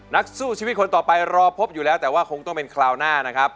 นักสู้ชีวิตคนต่อไปรอพบอยู่แล้วแต่ว่าคงต้องเป็นคราวหน้านะครับ